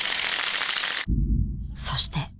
そして。